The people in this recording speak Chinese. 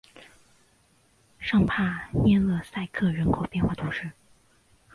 尚帕涅勒塞克人口变化图示